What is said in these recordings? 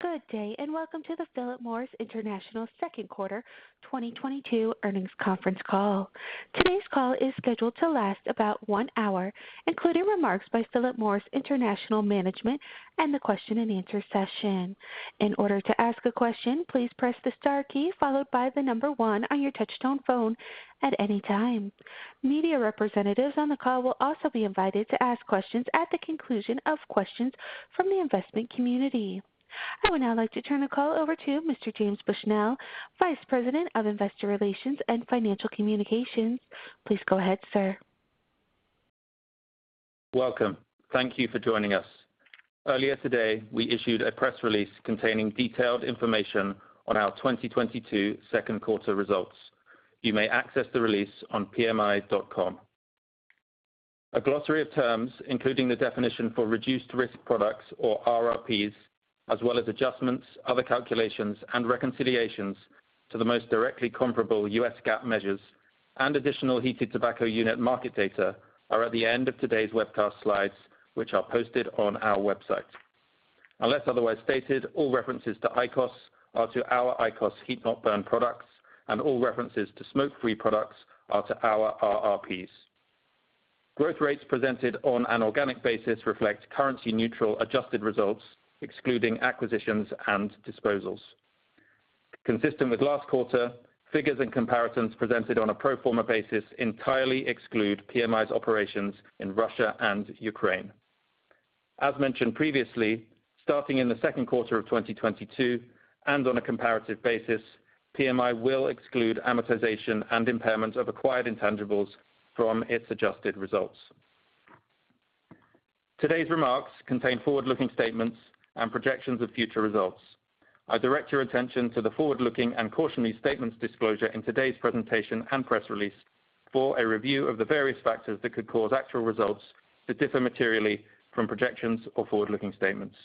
Good day, and welcome to the Philip Morris International second quarter 2022 earnings conference call. Today's call is scheduled to last about one hour, including remarks by Philip Morris International Management and the question and answer session. In order to ask a question, please press the star key followed by the number one on your touchtone phone at any time. Media representatives on the call will also be invited to ask questions at the conclusion of questions from the investment community. I would now like to turn the call over to Mr. James Bushnell, Vice President of Investor Relations and Financial Communications. Please go ahead, sir. Welcome. Thank you for joining us. Earlier today, we issued a press release containing detailed information on our 2022 second quarter results. You may access the release on pmi.com. A glossary of terms, including the definition for reduced-risk products or RRPs, as well as adjustments, other calculations, and reconciliations to the most directly comparable U.S. GAAP measures and additional heated tobacco unit market data are at the end of today's webcast slides, which are posted on our website. Unless otherwise stated, all references to IQOS are to our IQOS heat-not-burn products, and all references to smoke-free products are to our RRPs. Growth rates presented on an organic basis reflect currency neutral adjusted results, excluding acquisitions and disposals. Consistent with last quarter, figures and comparisons presented on a pro forma basis entirely exclude PMI's operations in Russia and Ukraine. As mentioned previously, starting in the second quarter of 2022 and on a comparative basis, PMI will exclude amortization and impairment of acquired intangibles from its adjusted results. Today's remarks contain forward-looking statements and projections of future results. I direct your attention to the forward-looking and cautionary statements disclosure in today's presentation and press release for a review of the various factors that could cause actual results to differ materially from projections or forward-looking statements.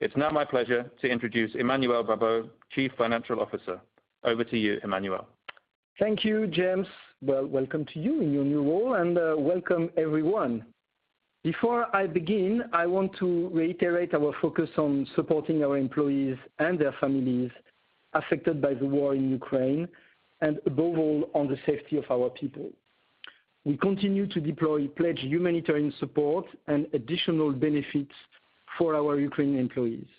It's now my pleasure to introduce Emmanuel Babeau, Chief Financial Officer. Over to you, Emmanuel. Thank you, James. Well, welcome to you in your new role, and welcome everyone. Before I begin, I want to reiterate our focus on supporting our employees and their families affected by the war in Ukraine and above all, on the safety of our people. We continue to deploy pledged humanitarian support and additional benefits for our Ukrainian employees.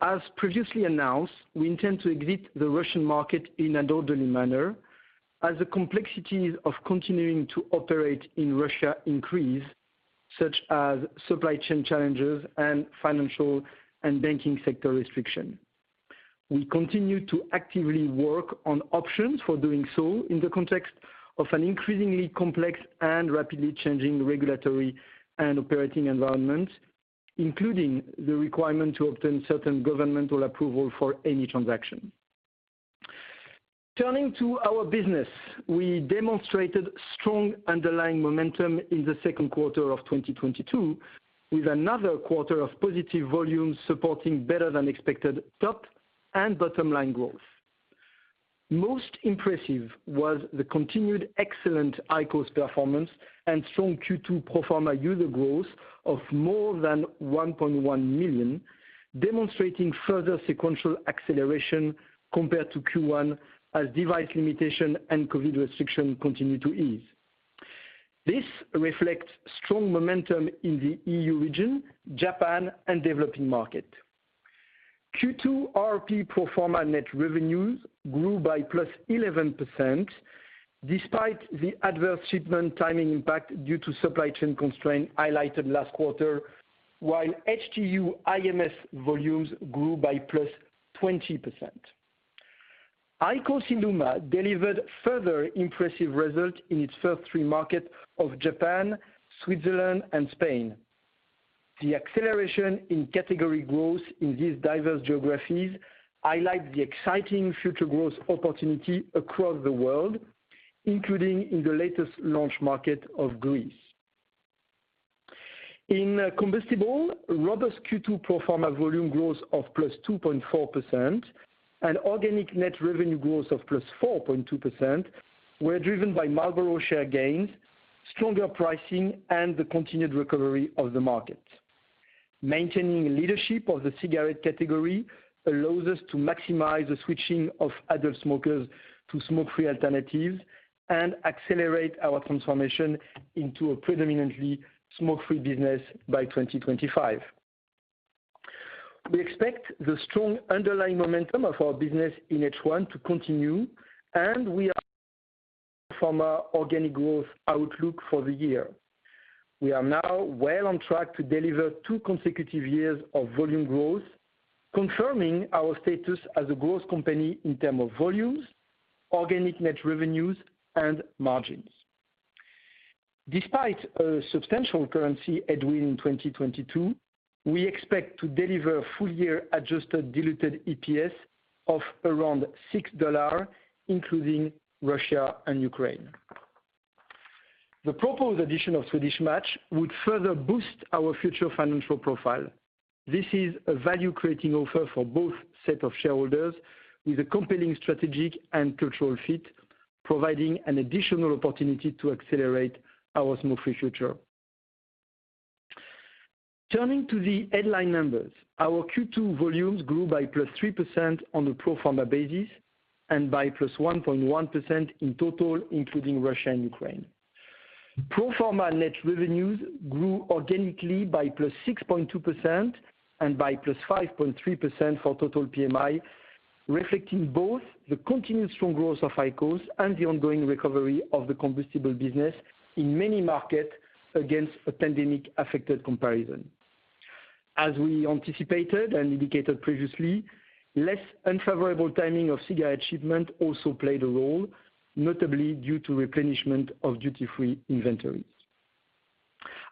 As previously announced, we intend to exit the Russian market in an orderly manner as the complexities of continuing to operate in Russia increase, such as supply chain challenges and financial and banking sector restriction. We continue to actively work on options for doing so in the context of an increasingly complex and rapidly changing regulatory and operating environment, including the requirement to obtain certain governmental approval for any transaction. Turning to our business, we demonstrated strong underlying momentum in the second quarter of 2022, with another quarter of positive volumes supporting better than expected top and bottom line growth. Most impressive was the continued excellent IQOS performance and strong Q2 pro forma user growth of more than 1.1 million, demonstrating further sequential acceleration compared to Q1 as device limitations and COVID restrictions continue to ease. This reflects strong momentum in the EU region, Japan, and developing markets. Q2 RRP pro forma net revenues grew by +11% despite the adverse shipment timing impact due to supply chain constraints highlighted last quarter, while HTU IMS volumes grew by +20%. IQOS ILUMA delivered further impressive results in its first three markets of Japan, Switzerland, and Spain. The acceleration in category growth in these diverse geographies highlights the exciting future growth opportunity across the world, including in the latest launch market of Greece. In combustibles, robust Q2 pro forma volume growth of +2.4% and organic net revenue growth of +4.2% were driven by Marlboro share gains, stronger pricing, and the continued recovery of the market. Maintaining leadership of the cigarette category allows us to maximize the switching of adult smokers to smoke-free alternatives and accelerate our transformation into a predominantly smoke-free business by 2025. We expect the strong underlying momentum of our business in H1 to continue, and we reaffirm our organic growth outlook for the year. We are now well on track to deliver two consecutive years of volume growth, confirming our status as a growth company in terms of volumes, organic net revenues, and margins. Despite a substantial currency headwind in 2022, we expect to deliver full year adjusted diluted EPS of around $6, including Russia and Ukraine. The proposed addition of Swedish Match would further boost our future financial profile. This is a value-creating offer for both set of shareholders with a compelling strategic and cultural fit, providing an additional opportunity to accelerate our smoke-free future. Turning to the headline numbers, our Q2 volumes grew by +3% on the pro forma basis and by +1.1% in total including Russia and Ukraine. Pro forma net revenues grew organically by +6.2% and by +5.3% for total PMI, reflecting both the continued strong growth of IQOS and the ongoing recovery of the combustible business in many markets against a pandemic-affected comparison. As we anticipated and indicated previously, less unfavorable timing of cigarette shipment also played a role, notably due to replenishment of duty-free inventories.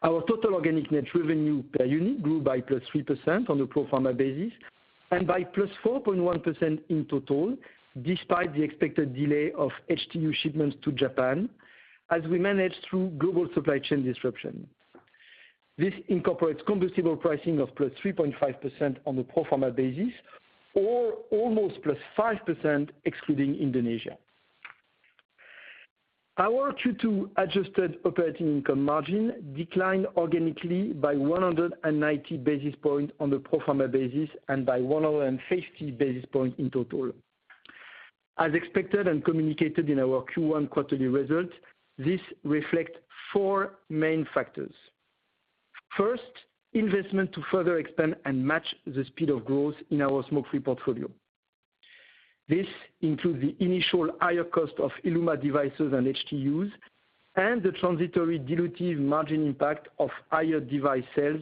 Our total organic net revenue per unit grew by +3% on a pro forma basis, and by +4.1% in total, despite the expected delay of HTU shipments to Japan as we manage through global supply chain disruption. This incorporates combustible pricing of +3.5% on the pro forma basis, or almost +5% excluding Indonesia. Our Q2 adjusted operating income margin declined organically by 190 basis points on the pro forma basis and by 150 basis points in total. As expected and communicated in our Q1 quarterly results, this reflects four main factors. First, investment to further expand and match the speed of growth in our smoke-free portfolio. This includes the initial higher cost of ILUMA devices and HTUs and the transitory dilutive margin impact of higher device sales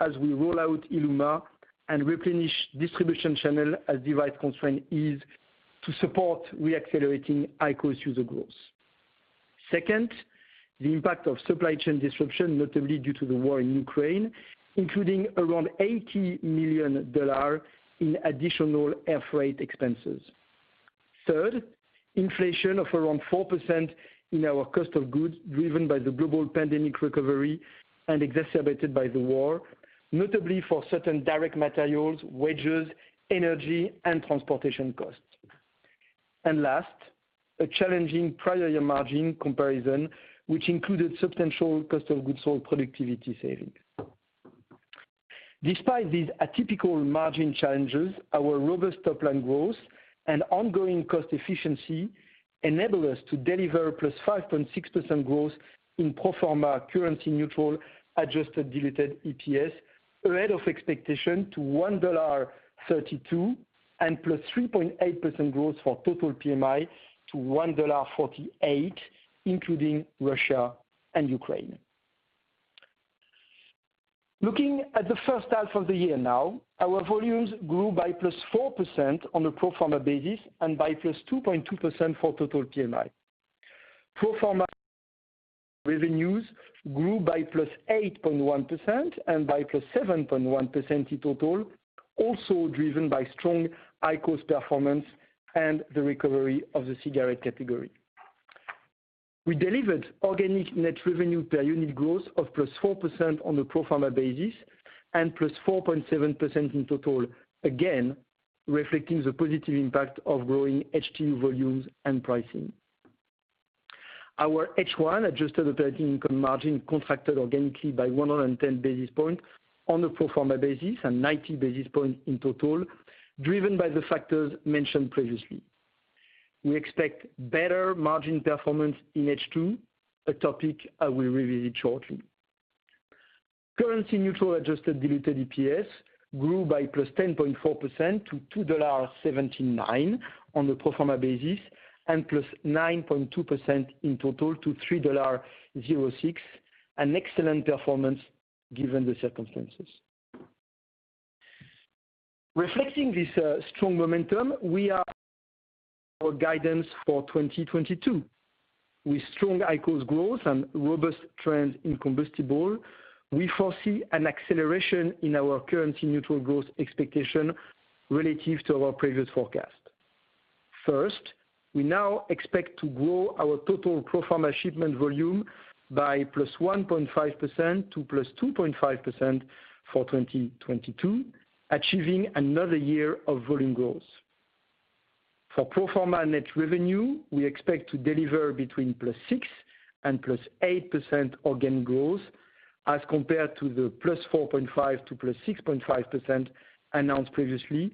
as we roll out ILUMA and replenish distribution channel as device constraint is to support re-accelerating IQOS user growth. Second, the impact of supply chain disruption, notably due to the war in Ukraine, including around $80 million in additional air freight expenses. Third, inflation of around 4% in our cost of goods driven by the global pandemic recovery and exacerbated by the war, notably for certain direct materials, wages, energy, and transportation costs. Last, a challenging prior year margin comparison, which included substantial cost of goods sold productivity savings. Despite these atypical margin challenges, our robust top line growth and ongoing cost efficiency enable us to deliver +5.6% growth in pro forma currency neutral adjusted diluted EPS ahead of expectation to $1.32, and +3.8% growth for total PMI to $1.48, including Russia and Ukraine. Looking at the first half of the year now, our volumes grew by +4% on a pro forma basis and by +2.2% for total PMI. Pro forma revenues grew by +8.1% and by +7.1% in total, also driven by strong IQOS performance and the recovery of the cigarette category. We delivered organic net revenue per unit growth of +4% on a pro forma basis and +4.7% in total, again, reflecting the positive impact of growing HTU volumes and pricing. Our H1 adjusted operating income margin contracted organically by 110 basis points on the pro forma basis and 90 basis points in total, driven by the factors mentioned previously. We expect better margin performance in H2, a topic I will revisit shortly. Currency neutral adjusted diluted EPS grew by +10.4% to $2.79 on the pro forma basis, and +9.2% in total to $3.06, an excellent performance given the circumstances. Reflecting this, strong momentum, we're raising our guidance for 2022. With strong IQOS growth and robust trends in combustible, we foresee an acceleration in our currency neutral growth expectation relative to our previous forecast. First, we now expect to grow our total pro forma shipment volume by +1.5% to +2.5% for 2022, achieving another year of volume growth. For pro forma net revenue, we expect to deliver between +6% and +8% organic growth as compared to the +4.5% to +6.5% announced previously,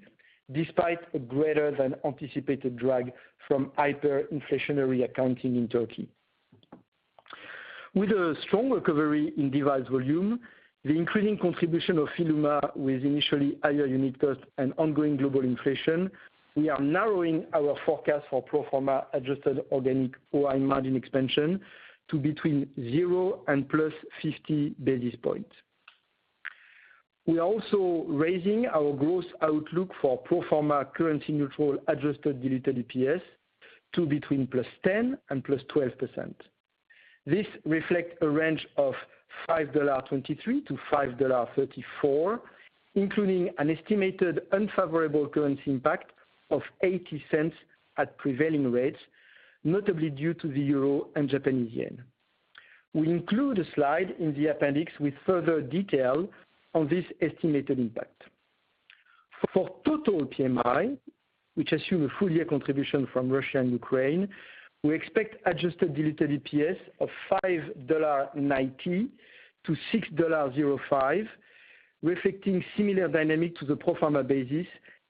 despite a greater than anticipated drag from hyperinflationary accounting in Turkey. With a strong recovery in device volume, the increasing contribution of ILUMA with initially higher unit costs and ongoing global inflation, we are narrowing our forecast for pro forma adjusted organic OI margin expansion to between 0 and +50 basis points. We are also raising our growth outlook for pro forma currency neutral adjusted diluted EPS to between +10% and +12%. This reflects a range of $5.23-$5.34, including an estimated unfavorable currency impact of $0.80 at prevailing rates, notably due to the euro and Japanese yen. We include a slide in the appendix with further detail on this estimated impact. For total PMI, which assume a full year contribution from Russia and Ukraine, we expect adjusted diluted EPS of $5.90-$6.05, reflecting similar dynamic to the pro forma basis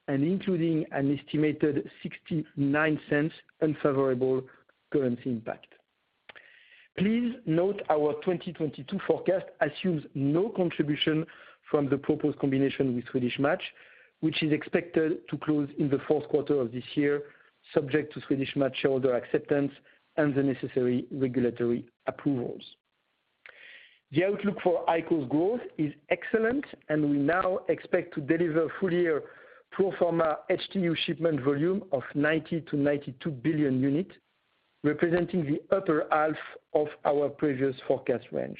and including an estimated $0.69 unfavorable currency impact. Please note our 2022 forecast assumes no contribution from the proposed combination with Swedish Match, which is expected to close in the fourth quarter of this year, subject to Swedish Match shareholder acceptance and the necessary regulatory approvals. The outlook for IQOS growth is excellent, and we now expect to deliver full year pro forma HTU shipment volume of 90 billion-92 billion units, representing the upper half of our previous forecast range.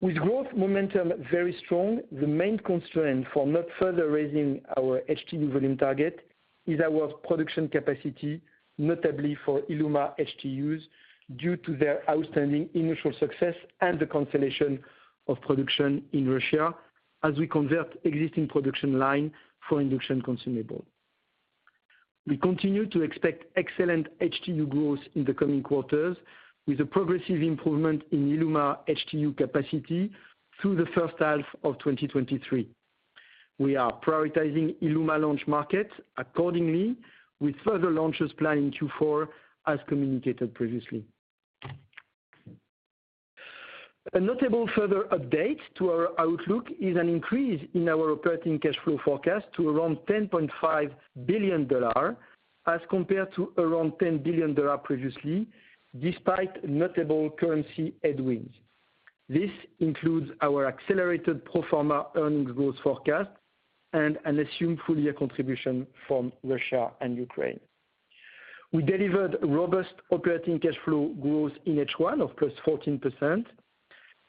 With growth momentum very strong, the main constraint for not further raising our HTU volume target is our production capacity, notably for ILUMA HTUs, due to their outstanding initial success and the consolidation of production in Russia as we convert existing production lines for induction consumables. We continue to expect excellent HTU growth in the coming quarters, with a progressive improvement in ILUMA HTU capacity through the first half of 2023. We are prioritizing ILUMA launch market accordingly with further launches planned in Q4 as communicated previously. A notable further update to our outlook is an increase in our operating cash flow forecast to around $10.5 billion as compared to around $10 billion previously, despite notable currency headwinds. This includes our accelerated pro forma earnings growth forecast and an assumed full year contribution from Russia and Ukraine. We delivered robust operating cash flow growth in H1 of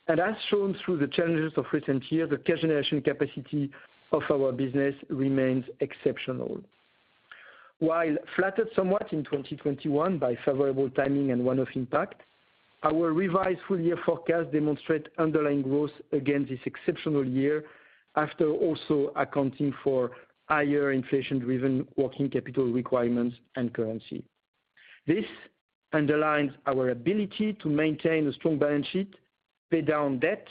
+14%, and as shown through the challenges of recent year, the cash generation capacity of our business remains exceptional. While flattered somewhat in 2021 by favorable timing and one-off impact, our revised full year forecast demonstrate underlying growth against this exceptional year after also accounting for higher inflation-driven working capital requirements and currency. This underlines our ability to maintain a strong balance sheet, pay down debt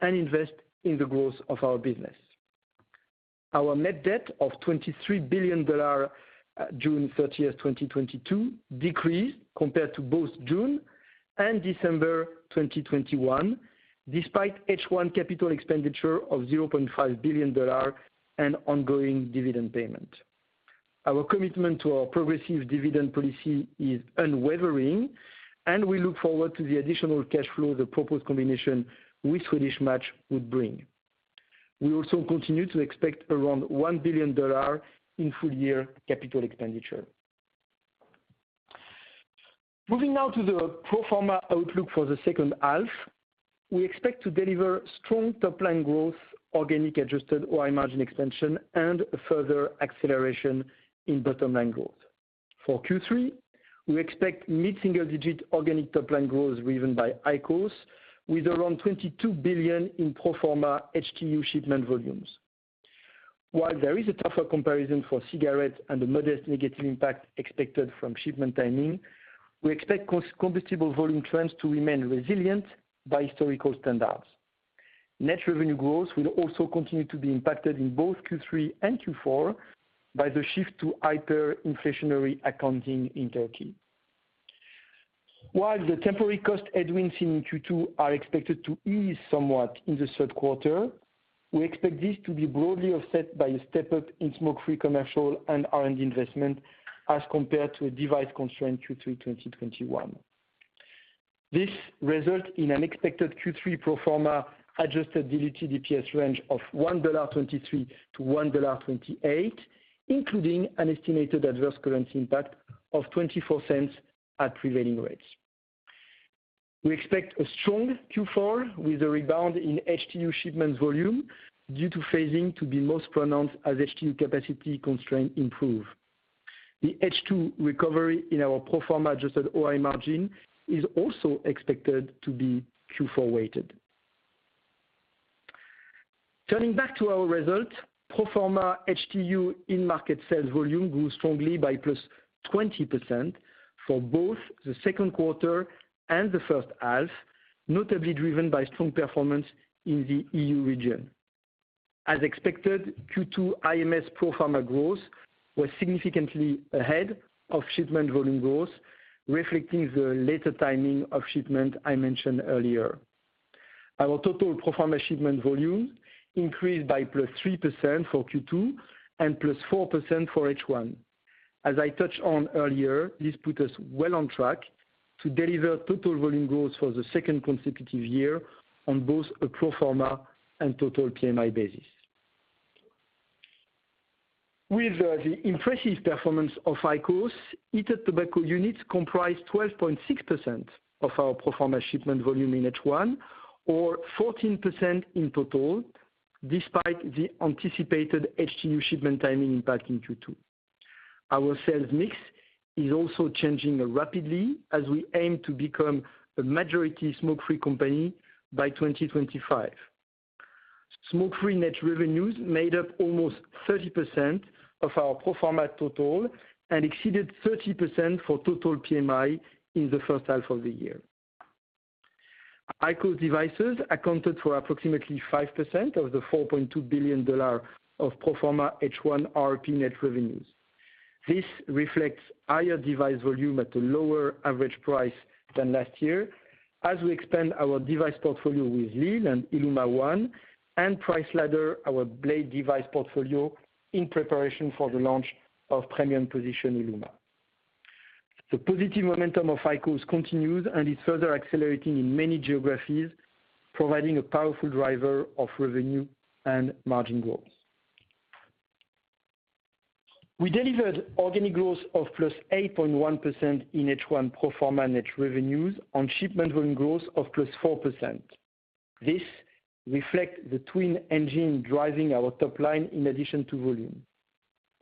and invest in the growth of our business. Our net debt of $23 billion, June 30th, 2022, decreased compared to both June and December 2021, despite H1 capital expenditure of $0.5 billion and ongoing dividend payment. Our commitment to our progressive dividend policy is unwavering, and we look forward to the additional cash flow the proposed combination with Swedish Match would bring. We also continue to expect around $1 billion in full year capital expenditure. Moving now to the pro forma outlook for the second half. We expect to deliver strong top line growth, organic adjusted operating margin expansion and a further acceleration in bottom line growth. For Q3, we expect mid-single-digit organic top line growth driven by IQOS, with around 22 billion in pro forma HTU shipment volumes. While there is a tougher comparison for cigarettes and a modest negative impact expected from shipment timing, we expect combustible volume trends to remain resilient by historical standards. Net revenue growth will also continue to be impacted in both Q3 and Q4 by the shift to hyperinflationary accounting in Turkey. While the temporary cost headwinds in Q2 are expected to ease somewhat in the third quarter, we expect this to be broadly offset by a step up in smoke-free commercial and R&D investment as compared to a device-constrained Q3 2021. This results in an expected Q3 pro forma adjusted diluted EPS range of $1.23-$1.28, including an estimated adverse currency impact of $0.24 at prevailing rates. We expect a strong Q4 with a rebound in HTU shipment volume due to phasing to be most pronounced as HTU capacity constraint improve. The H2 recovery in our pro forma adjusted OI margin is also expected to be Q4 weighted. Turning back to our result, pro forma HTU in market sales volume grew strongly by +20% for both the second quarter and the first half, notably driven by strong performance in the EU region. As expected, Q2 IMS pro forma growth was significantly ahead of shipment volume growth, reflecting the later timing of shipment I mentioned earlier. Our total pro forma shipment volume increased by +3% for Q2 and +4% for H1. As I touched on earlier, this put us well on track to deliver total volume growth for the second consecutive year on both a pro forma and total PMI basis. With the impressive performance of IQOS, heated tobacco units comprise 12.6% of our pro forma shipment volume in H1 or 14% in total, despite the anticipated HTU shipment timing impact in Q2. Our sales mix is also changing rapidly as we aim to become a majority smoke-free company by 2025. Smoke-free net revenues made up almost 30% of our pro forma total and exceeded 30% for total PMI in the first half of the year. IQOS devices accounted for approximately 5% of the $4.2 billion of pro forma H1 RRP net revenues. This reflects higher device volume at a lower average price than last year as we expand our device portfolio with lil and ILUMA ONE and priced lower, our Blade device portfolio, in preparation for the launch of premium-positioned ILUMA. The positive momentum of IQOS continues and is further accelerating in many geographies, providing a powerful driver of revenue and margin growth. We delivered organic growth of +8.1% in H1 pro forma net revenues on shipment volume growth of +4%. This reflects the twin engine driving our top line in addition to volume.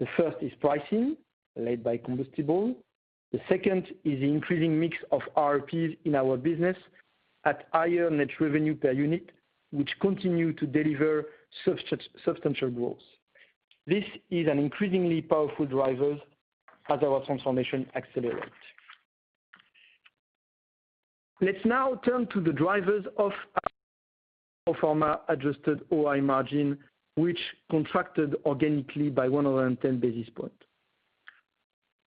The first is pricing, led by combustible. The second is the increasing mix of RPs in our business at higher net revenue per unit, which continue to deliver substantial growth. This is an increasingly powerful driver as our transformation accelerates. Let's now turn to the drivers of our pro forma adjusted OI margin, which contracted organically by 110 basis points.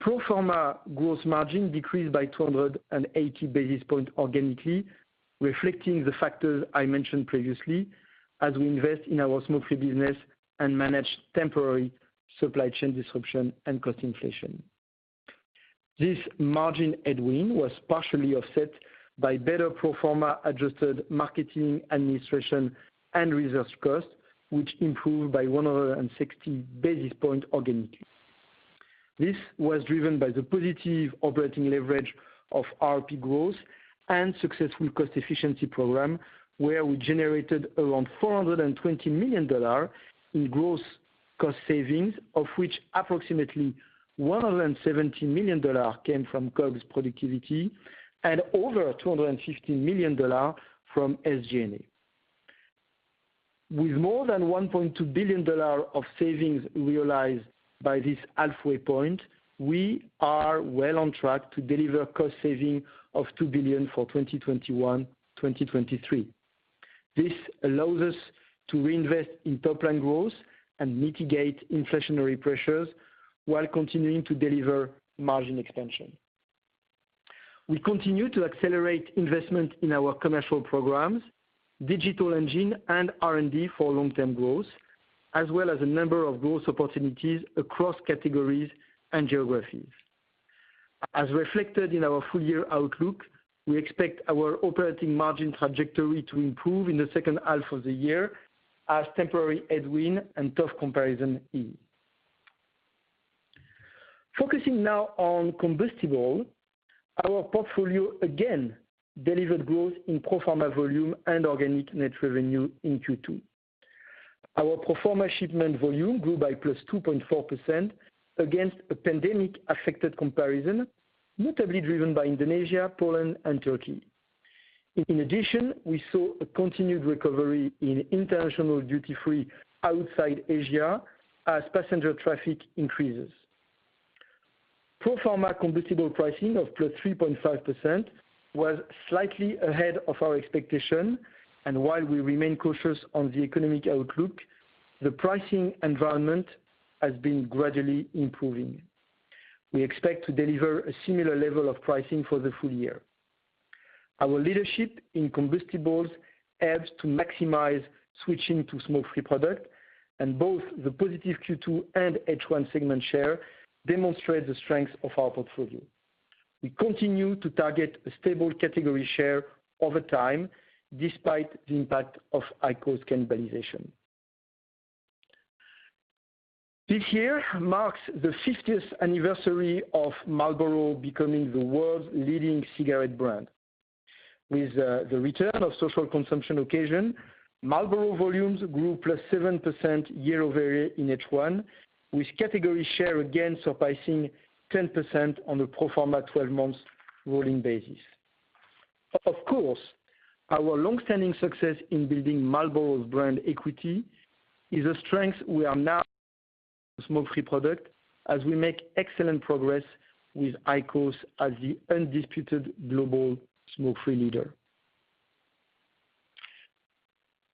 Pro forma gross margin decreased by 280 basis points organically, reflecting the factors I mentioned previously as we invest in our smoke-free business and manage temporary supply chain disruption and cost inflation. This margin headwind was partially offset by better pro forma adjusted marketing, administration, and research costs, which improved by 160 basis points organically. This was driven by the positive operating leverage of RRP growth and successful cost efficiency program, where we generated around $420 million in gross cost savings, of which approximately $170 million came from COGS productivity and over $250 million from SG&A. With more than $1.2 billion of savings realized by this halfway point, we are well on track to deliver cost savings of $2 billion for 2021-2023. This allows us to reinvest in top line growth and mitigate inflationary pressures while continuing to deliver margin expansion. We continue to accelerate investment in our commercial programs, digital engine, and R&D for long-term growth, as well as a number of growth opportunities across categories and geographies. As reflected in our full year outlook, we expect our operating margin trajectory to improve in the second half of the year as temporary headwind and tough comparison ease. Focusing now on combustible, our portfolio again delivered growth in pro forma volume and organic net revenue in Q2. Our pro forma shipment volume grew by +2.4% against a pandemic-affected comparison, notably driven by Indonesia, Poland, and Turkey. In addition, we saw a continued recovery in international duty-free outside Asia as passenger traffic increases. Pro forma combustible pricing of +3.5% was slightly ahead of our expectation, and while we remain cautious on the economic outlook, the pricing environment has been gradually improving. We expect to deliver a similar level of pricing for the full year. Our leadership in combustibles helps to maximize switching to smoke-free product, and both the positive Q2 and H1 segment share demonstrate the strength of our portfolio. We continue to target a stable category share over time, despite the impact of IQOS cannibalization. This year marks the fiftieth anniversary of Marlboro becoming the world's leading cigarette brand. With the return of social consumption occasion, Marlboro volumes grew +7% year-over-year in H1, with category share again surpassing 10% on a pro forma twelve months rolling basis. Of course, our long-standing success in building Marlboro's brand equity is a strength we are now applying to smoke-free products as we make excellent progress with IQOS as the undisputed global smoke-free leader.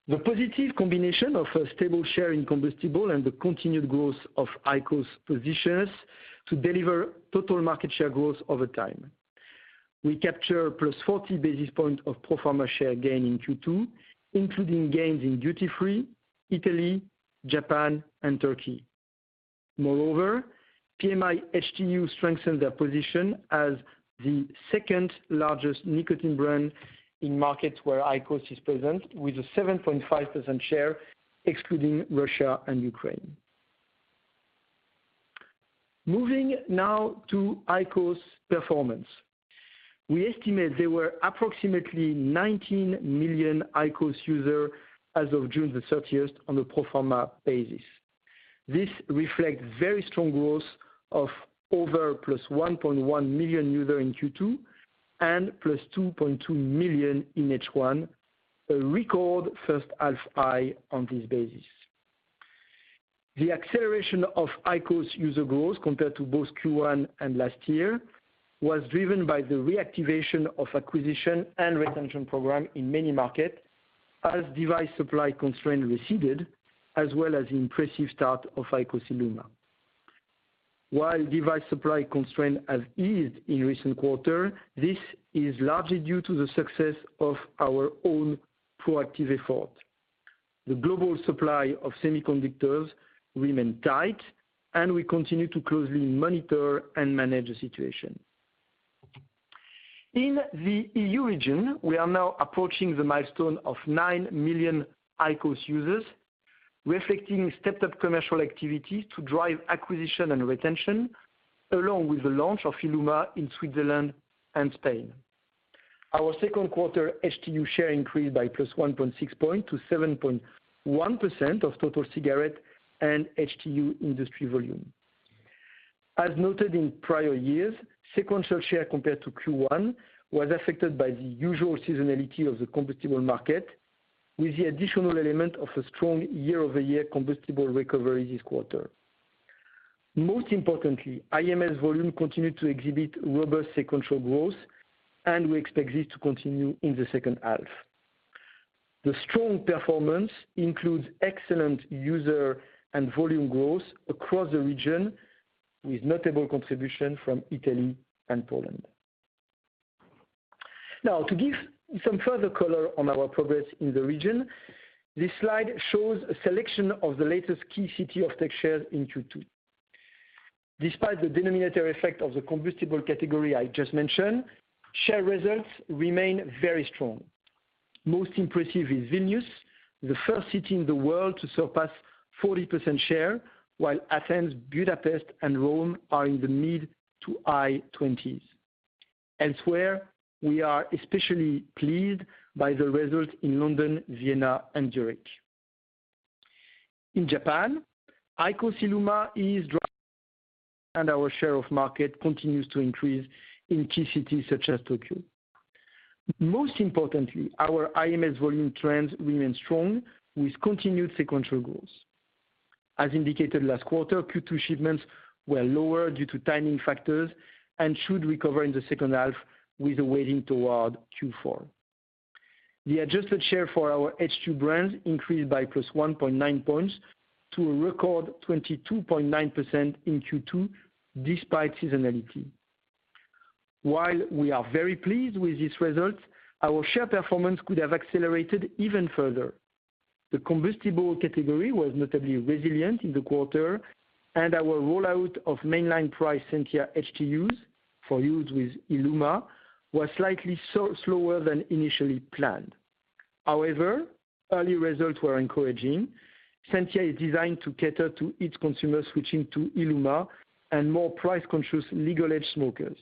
The positive combination of a stable share in combustibles and the continued growth of IQOS positions us to deliver total market share growth over time. We captured +40 basis points of pro forma share gain in Q2, including gains in duty-free, Italy, Japan, and Turkey. Moreover, PMI HTU strengthened their position as the second-largest nicotine brand in markets where IQOS is present, with a 7.5% share excluding Russia and Ukraine. Moving now to IQOS performance. We estimate there were approximately 19 million IQOS users as of June 30th on a pro forma basis. This reflects very strong growth of over +1.1 million users in Q2 and +2.2 million in H1, a record first half high on this basis. The acceleration of IQOS user growth compared to both Q1 and last year was driven by the reactivation of acquisition and retention programs in many markets, as device supply constraints receded, as well as the impressive start of IQOS ILUMA. While device supply constraints have eased in recent quarters, this is largely due to the success of our own proactive efforts. The global supply of semiconductors remains tight, and we continue to closely monitor and manage the situation. In the EU region, we are now approaching the milestone of 9 million IQOS users, reflecting stepped-up commercial activity to drive acquisition and retention, along with the launch of ILUMA in Switzerland and Spain. Our second quarter HTU share increased by +1.6 points to 7.1% of total cigarette and HTU industry volume. As noted in prior years, sequential share compared to Q1 was affected by the usual seasonality of the combustible market, with the additional element of a strong year-over-year combustible recovery this quarter. Most importantly, IMS volume continued to exhibit robust sequential growth, and we expect this to continue in the second half. The strong performance includes excellent user and volume growth across the region, with notable contribution from Italy and Poland. Now, to give some further color on our progress in the region, this slide shows a selection of the latest key city off-take shares in Q2. Despite the denominator effect of the combustible category I just mentioned, share results remain very strong. Most impressive is Vilnius, the first city in the world to surpass 40% share, while Athens, Budapest, and Rome are in the mid- to high-20s. Elsewhere, we are especially pleased by the results in London, Vienna, and Zurich. In Japan, IQOS ILUMA is driving, and our share of market continues to increase in key cities such as Tokyo. Most importantly, our IMS volume trends remain strong with continued sequential growth. As indicated last quarter, Q2 shipments were lower due to timing factors and should recover in the second half with a weighting toward Q4. The adjusted share for our HTU brands increased by +1.9 points to a record 22.9% in Q2, despite seasonality. While we are very pleased with this result, our share performance could have accelerated even further. The combustible category was notably resilient in the quarter, and our rollout of mainline price SENTIA HTUs for use with ILUMA was slightly slower than initially planned. However, early results were encouraging. SENTIA is designed to cater to each consumer switching to ILUMA and more price-conscious legal age smokers.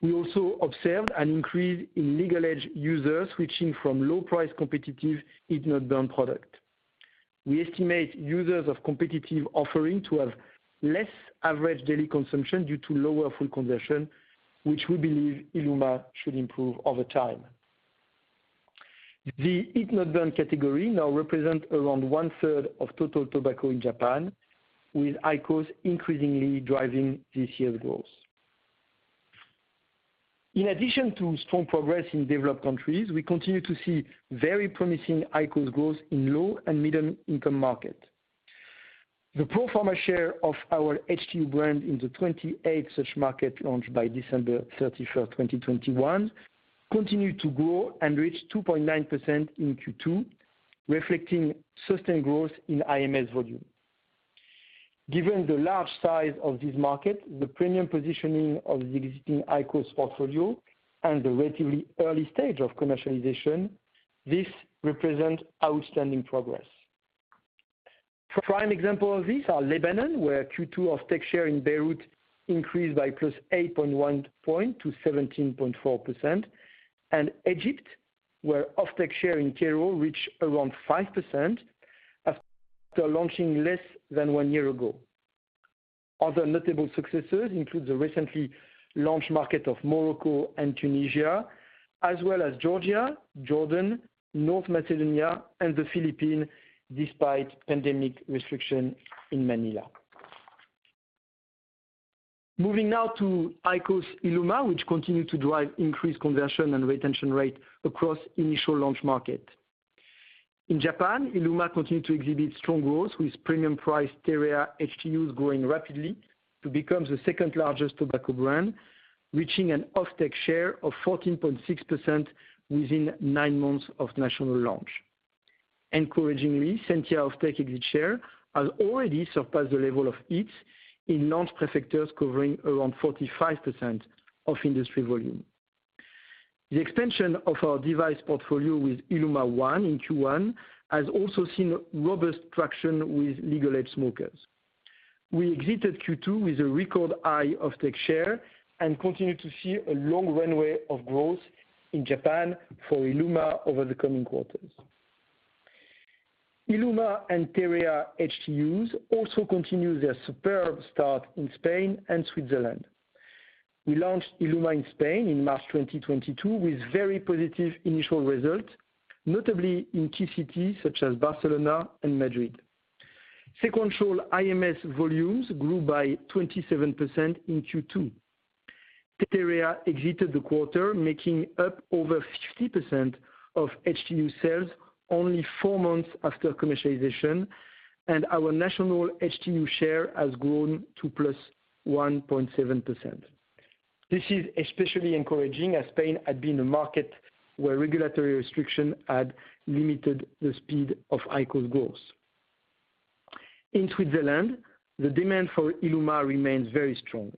We also observed an increase in legal age users switching from low price competitive heat-not-burn product. We estimate users of competitive offering to have less average daily consumption due to lower fuel conversion, which we believe ILUMA should improve over time. The heat-not-burn category now represents around 1/3 of total tobacco in Japan, with IQOS increasingly driving this year's growth. In addition to strong progress in developed countries, we continue to see very promising IQOS growth in low and medium income markets. The pro forma share of our HTU brand in the 28 such markets launched by December 31st, 2021, continued to grow and reach 2.9% in Q2, reflecting sustained growth in IMS volume. Given the large size of this market, the premium positioning of the existing IQOS portfolio and the relatively early stage of commercialization, this represents outstanding progress. Prime example of this are Lebanon, where Q2 off-take share in Beirut increased by +8.1 percentage points to 17.4%. Egypt, where off-take share in Cairo reached around 5% after launching less than one year ago. Other notable successes include the recently launched market of Morocco and Tunisia, as well as Georgia, Jordan, North Macedonia, and the Philippines, despite pandemic restriction in Manila. Moving now to IQOS ILUMA, which continue to drive increased conversion and retention rate across initial launch market. In Japan, ILUMA continue to exhibit strong growth with premium price TEREA HTUs growing rapidly to become the second-largest tobacco brand, reaching an off-take share of 14.6% within nine months of national launch. Encouragingly, SENTIA off-take share has already surpassed the level of HEETS in launch prefectures covering around 45% of industry volume. The expansion of our device portfolio with ILUMA One in Q1 has also seen robust traction with legal age smokers. We exited Q2 with a record high of take share and continue to see a long runway of growth in Japan for ILUMA over the coming quarters. ILUMA and TEREA HTUs also continue their superb start in Spain and Switzerland. We launched ILUMA in Spain in March 2022 with very positive initial results, notably in key cities such as Barcelona and Madrid. Sequential IMS volumes grew by 27% in Q2. TEREA exited the quarter, making up over 50% of HTU sales only four months after commercialization, and our national HTU share has grown to +1.7%. This is especially encouraging as Spain had been a market where regulatory restriction had limited the speed of IQOS growth. In Switzerland, the demand for ILUMA remains very strong.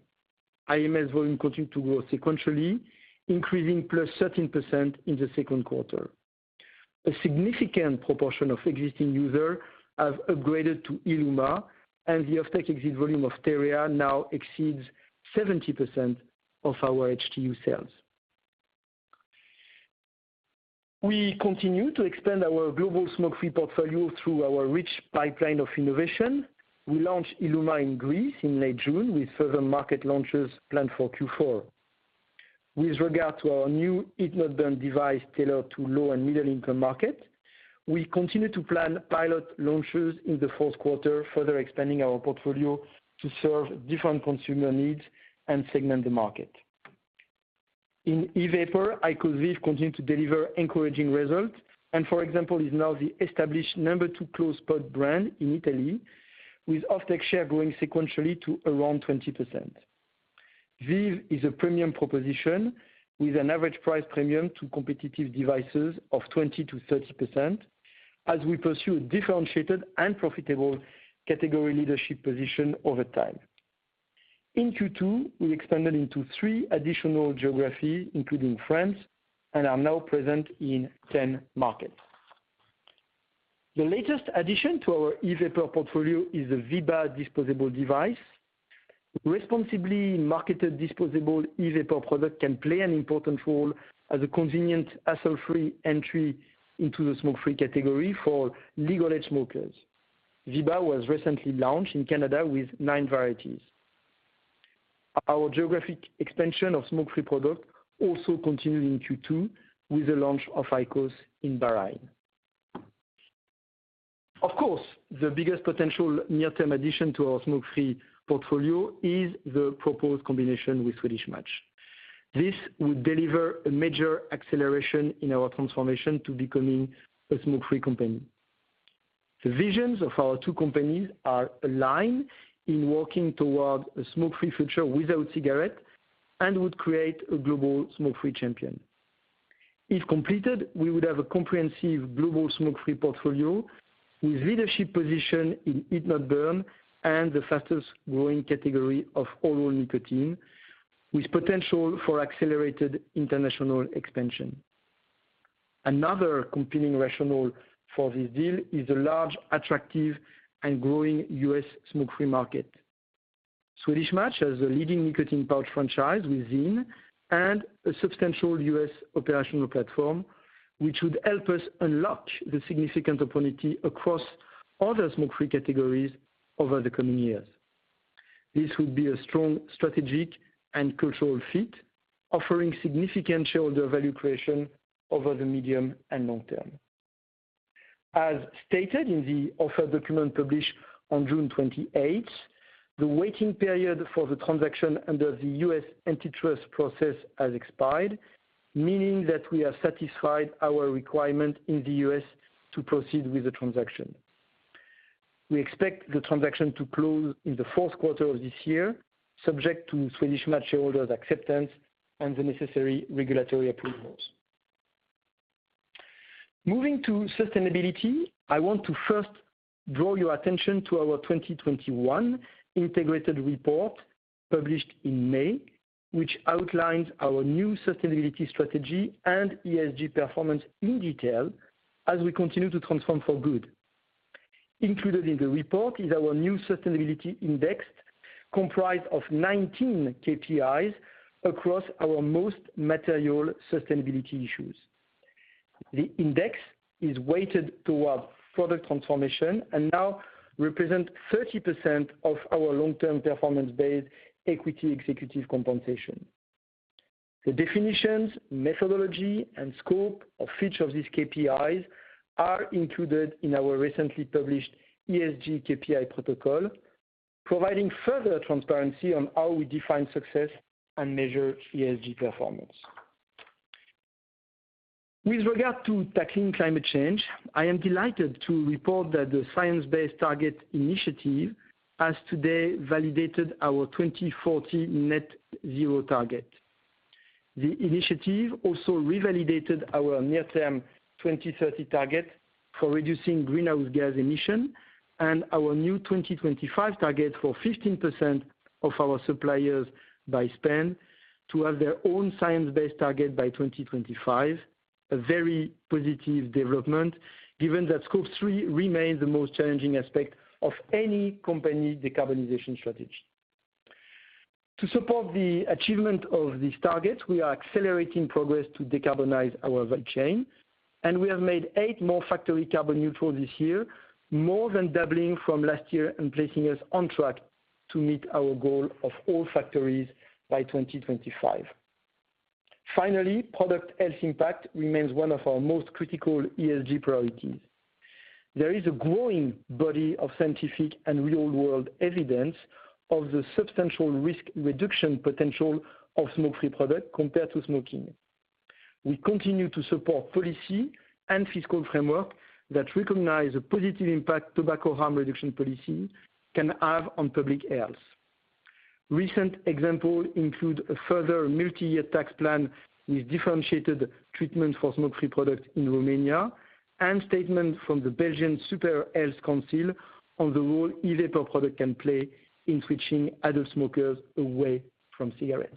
IMS volume continued to grow sequentially, increasing +13% in the second quarter. A significant proportion of existing users have upgraded to ILUMA, and the offtake volume of TEREA now exceeds 70% of our HTU sales. We continue to expand our global smoke-free portfolio through our rich pipeline of innovation. We launched ILUMA in Greece in late June with further market launches planned for Q4. With regard to our new heat-not-burn device tailored to low and middle-income markets, we continue to plan pilot launches in the fourth quarter, further expanding our portfolio to serve different consumer needs and segment the market. In e-vapor, IQOS VEEV continue to deliver encouraging results and, for example, is now the established number two closed pod brand in Italy with off-take share growing sequentially to around 20%. VEEV is a premium proposition with an average price premium to competitive devices of 20%-30% as we pursue differentiated and profitable category leadership position over time. In Q2, we expanded into three additional geographies, including France, and are now present in 10 markets. The latest addition to our e-vapor portfolio is the VEEBA disposable device. Responsibly marketed disposable e-vapor product can play an important role as a convenient hassle-free entry into the smoke-free category for legal age smokers. VEEBA was recently launched in Canada with nine varieties. Our geographic expansion of smoke-free product also continued in Q2 with the launch of IQOS in Bahrain. Of course, the biggest potential near-term addition to our smoke-free portfolio is the proposed combination with Swedish Match. This would deliver a major acceleration in our transformation to becoming a smoke-free company. The visions of our two companies are aligned in working toward a smoke-free future without cigarettes and would create a global smoke-free champion. If completed, we would have a comprehensive global smoke-free portfolio with leadership position in heat-not-burn and the fastest growing category of oral nicotine, with potential for accelerated international expansion. Another compelling rationale for this deal is the large, attractive, and growing U.S. smoke-free market. Swedish Match has a leading nicotine pouch franchise with ZYN and a substantial U.S. operational platform, which would help us unlock the significant opportunity across other smoke-free categories over the coming years. This would be a strong strategic and cultural fit, offering significant shareholder value creation over the medium and long term. As stated in the offer document published on June 28th, the waiting period for the transaction under the U.S. antitrust process has expired, meaning that we have satisfied our requirement in the U.S. to proceed with the transaction. We expect the transaction to close in the fourth quarter of this year, subject to Swedish Match shareholders' acceptance and the necessary regulatory approvals. Moving to sustainability, I want to first draw your attention to our 2021 integrated report published in May, which outlines our new sustainability strategy and ESG performance in detail as we continue to transform for good. Included in the report is our new sustainability index, comprised of 19 KPIs across our most material sustainability issues. The index is weighted towards product transformation and now represent 30% of our long-term performance-based equity executive compensation. The definitions, methodology, and scope of each of these KPIs are included in our recently published ESG KPI protocol, providing further transparency on how we define success and measure ESG performance. With regard to tackling climate change, I am delighted to report that the Science Based Targets initiative has today validated our 2040 net zero target. The initiative also revalidated our near-term 2030 target for reducing greenhouse gas emissions and our new 2025 target for 15% of our suppliers by spend to have their own science-based targets by 2025, a very positive development, given that Scope 3 remains the most challenging aspect of any company decarbonization strategy. To support the achievement of these targets, we are accelerating progress to decarbonize our value chain, and we have made 8 more factories carbon neutral this year, more than doubling from last year and placing us on track to meet our goal of all factories by 2025. Finally, product health impact remains one of our most critical ESG priorities. There is a growing body of scientific and real-world evidence of the substantial risk reduction potential of smoke-free products compared to smoking. We continue to support policy and fiscal framework that recognize the positive impact tobacco harm reduction policy can have on public health. Recent examples include a further multi-year tax plan with differentiated treatment for smoke-free products in Romania and statements from the Belgian Superior Health Council on the role e-vapor product can play in switching adult smokers away from cigarettes.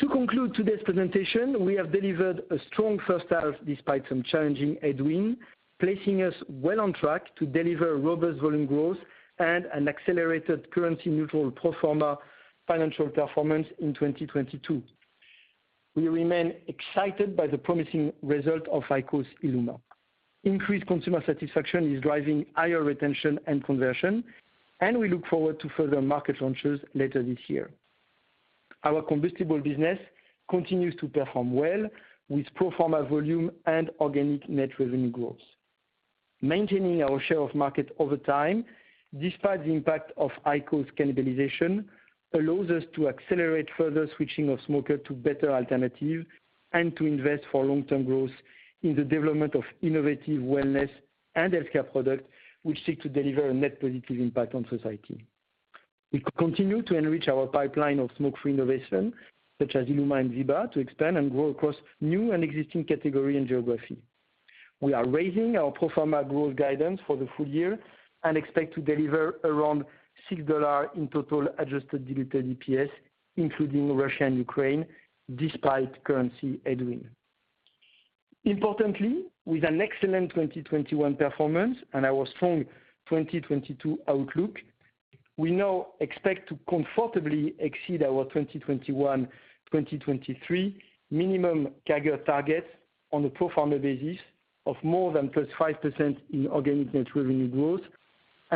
To conclude today's presentation, we have delivered a strong first half despite some challenging headwind, placing us well on track to deliver robust volume growth and an accelerated currency neutral pro forma financial performance in 2022. We remain excited by the promising result of IQOS ILUMA. Increased consumer satisfaction is driving higher retention and conversion, and we look forward to further market launches later this year. Our combustible business continues to perform well with pro forma volume and organic net revenue growth. Maintaining our share of market over time, despite the impact of IQOS cannibalization, allows us to accelerate further switching of smoker to better alternative and to invest for long-term growth in the development of innovative wellness and healthcare products, which seek to deliver a net positive impact on society. We continue to enrich our pipeline of smoke-free innovation, such as ILUMA and VEEV, to expand and grow across new and existing category and geography. We are raising our pro forma growth guidance for the full year and expect to deliver around $6 in total adjusted diluted EPS, including Russia and Ukraine, despite currency headwind. Importantly, with an excellent 2021 performance and our strong 2022 outlook, we now expect to comfortably exceed our 2021/2023 minimum CAGR targets on a pro forma basis of more than +5% in organic net revenue growth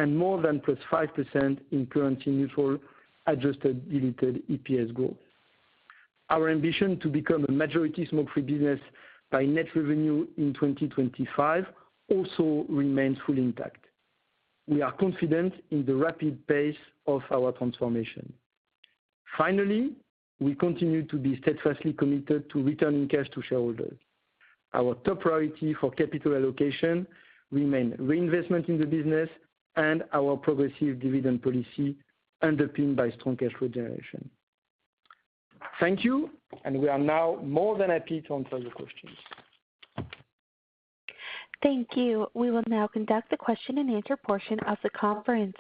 and more than +5% in currency neutral adjusted diluted EPS growth. Our ambition to become a majority smoke-free business by net revenue in 2025 also remains fully intact. We are confident in the rapid pace of our transformation. Finally, we continue to be steadfastly committed to returning cash to shareholders. Our top priority for capital allocation remain reinvestment in the business and our progressive dividend policy underpinned by strong cash flow generation. Thank you, and we are now more than happy to answer the questions. Thank you. We will now conduct the question and answer portion of the conference.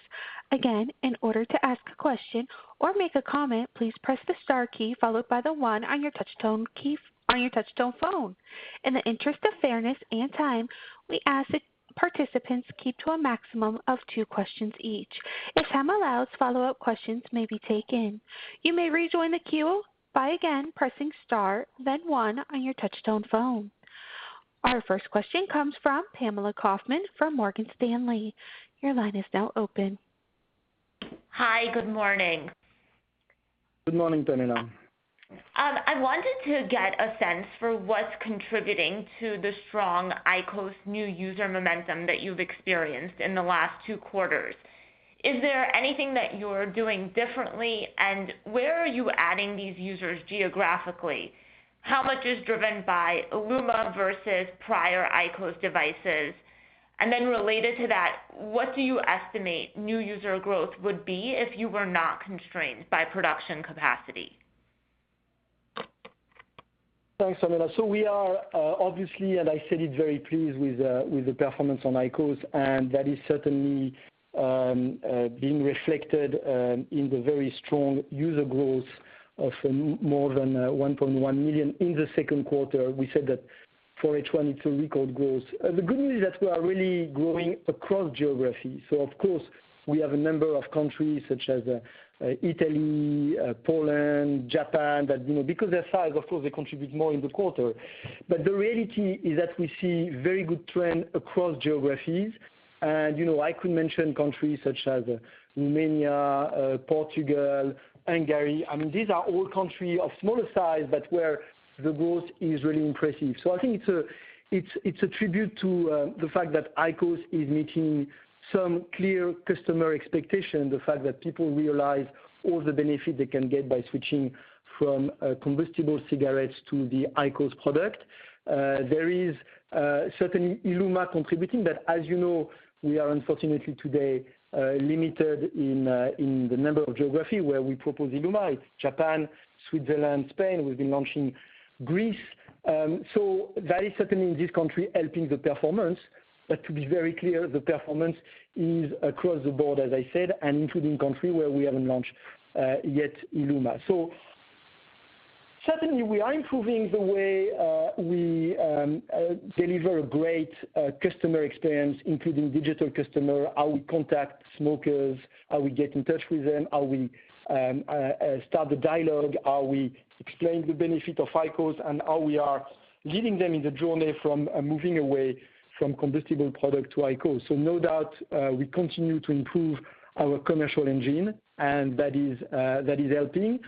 Again, in order to ask a question or make a comment, please press the star key followed by the one on your touch tone phone. In the interest of fairness and time, we ask that participants keep to a maximum of two questions each. If time allows, follow-up questions may be taken. You may rejoin the queue by again pressing star then one on your touch tone phone. Our first question comes from Pamela Kaufman from Morgan Stanley. Your line is now open. Hi. Good morning. Good morning, Pamela. I wanted to get a sense for what's contributing to the strong IQOS new user momentum that you've experienced in the last two quarters. Is there anything that you're doing differently? Where are you adding these users geographically? How much is driven by ILUMA versus prior IQOS devices? Related to that, what do you estimate new user growth would be if you were not constrained by production capacity? Thanks, Pamela. We are obviously, and I said it, very pleased with the performance on IQOS, and that is certainly being reflected in the very strong user growth of more than 1.1 million in the second quarter. We said that for H1, it's a record growth. The good news is that we are really growing across geographies. Of course, we have a number of countries such as Italy, Poland, Japan, that, you know, because of their size, of course, they contribute more in the quarter. But the reality is that we see very good trend across geographies. You know, I could mention countries such as Romania, Portugal, Hungary. I mean, these are all countries of smaller size, but where the growth is really impressive. I think it's a tribute to the fact that IQOS is meeting some clear customer expectation, the fact that people realize all the benefit they can get by switching from combustible cigarettes to the IQOS product. There is certainly ILUMA contributing, but as you know, we are unfortunately today limited in the number of geographies where we propose ILUMA. It's Japan, Switzerland, Spain. We've been launching in Greece. That is certainly in these countries helping the performance. But to be very clear, the performance is across the board, as I said, and including countries where we haven't launched yet ILUMA. Certainly, we are improving the way we deliver a great customer experience, including digital customer, how we contact smokers, how we get in touch with them, how we start the dialogue, how we explain the benefit of IQOS, and how we are leading them in the journey from moving away from combustible product to IQOS. No doubt, we continue to improve our commercial engine, and that is helping.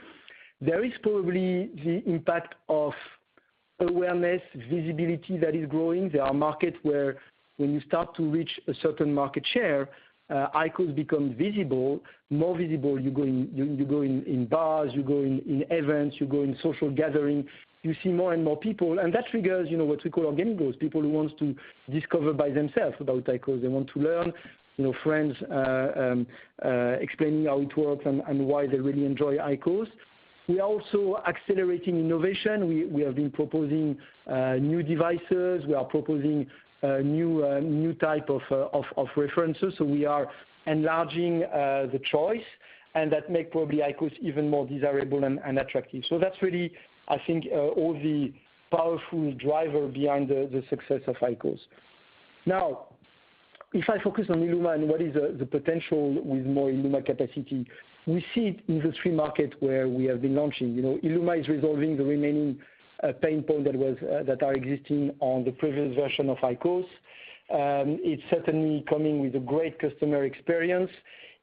There is probably the impact of awareness, visibility that is growing. There are markets where when you start to reach a certain market share, IQOS become visible, more visible. You go in bars, you go in events, you go in social gathering, you see more and more people. That triggers, you know, what we call organic growth, people who wants to discover by themselves about IQOS. They want to learn, you know, friends explaining how it works and why they really enjoy IQOS. We're also accelerating innovation. We have been proposing new devices. We are proposing a new type of references. So we are enlarging the choice, and that make probably IQOS even more desirable and attractive. So that's really, I think, all the powerful driver behind the success of IQOS. Now, if I focus on IQOS ILUMA and what is the potential with more IQOS ILUMA capacity, we see it in the three market where we have been launching. You know, IQOS ILUMA is resolving the remaining pain point that are existing on the previous version of IQOS. It's certainly coming with a great customer experience.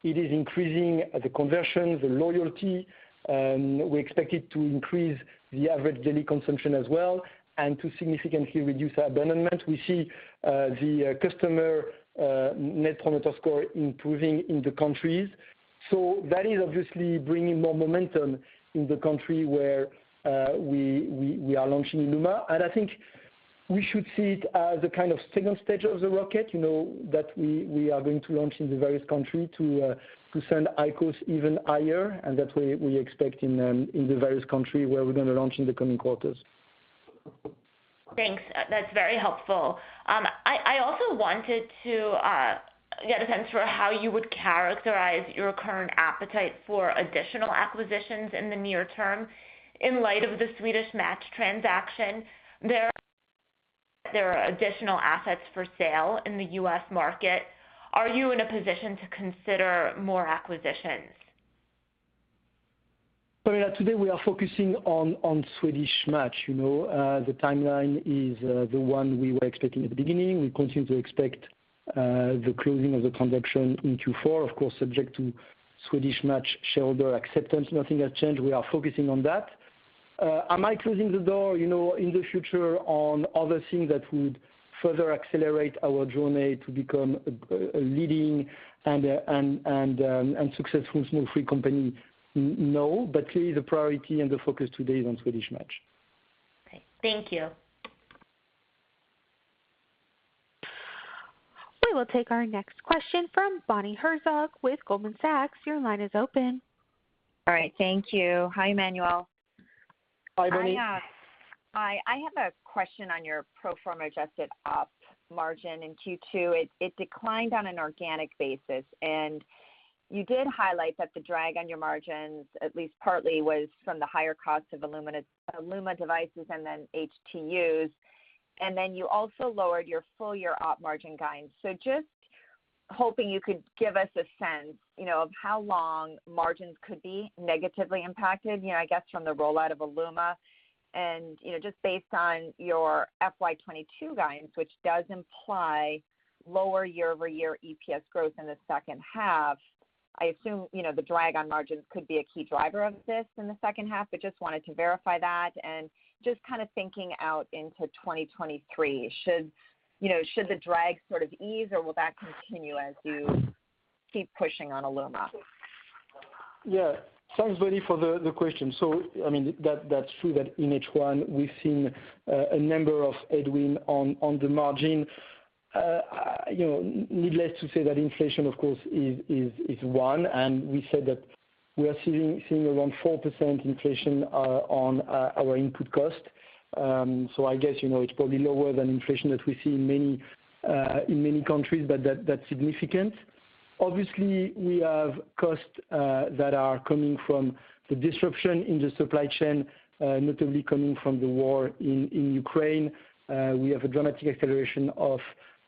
It is increasing the conversion, the loyalty. We expect it to increase the average daily consumption as well and to significantly reduce abandonment. We see the customer Net Promoter Score improving in the countries. That is obviously bringing more momentum in the country where we are launching ILUMA. I think we should see it as a kind of second stage of the rocket, you know, that we are going to launch in the various country to send IQOS even higher and that we expect in the various country where we're gonna launch in the coming quarters. Thanks. That's very helpful. I also wanted to get a sense for how you would characterize your current appetite for additional acquisitions in the near term in light of the Swedish Match transaction. There are additional assets for sale in the U.S. market. Are you in a position to consider more acquisitions? Pamela, today we are focusing on Swedish Match. You know, the timeline is the one we were expecting at the beginning. We continue to expect the closing of the transaction in Q4, of course, subject to Swedish Match shareholder acceptance. Nothing has changed. We are focusing on that. Am I closing the door, you know, in the future on other things that would further accelerate our journey to become a leading and successful smoke-free company? No, but clearly the priority and the focus today is on Swedish Match. Okay. Thank you. We will take our next question from Bonnie Herzog with Goldman Sachs. Your line is open. All right. Thank you. Hi, Emmanuel. Hi, Bonnie. Hi. I have a question on your pro forma adjusted op margin in Q2. It declined on an organic basis. You did highlight that the drag on your margins, at least partly, was from the higher cost of IQOS ILUMA devices and then HTUs. You also lowered your full year op margin guidance. Just hoping you could give us a sense, you know, of how long margins could be negatively impacted, you know, I guess from the rollout of IQOS ILUMA and, you know, just based on your FY 2022 guidance, which does imply lower year-over-year EPS growth in the second half. I assume, you know, the drag on margins could be a key driver of this in the second half, but just wanted to verify that. Just kinda thinking out into 2023, you know, should the drag sort of ease, or will that continue as you keep pushing on ILUMA? Yeah. Thanks, Bonnie, for the question. I mean, that's true that in H1 we've seen a number of headwinds on the margins. You know, needless to say that inflation, of course, is one, and we said that we are seeing around 4% inflation on our input costs. I guess, you know, it's probably lower than inflation that we see in many countries, but that's significant. Obviously, we have costs that are coming from the disruption in the supply chain, notably coming from the war in Ukraine. We have a dramatic acceleration of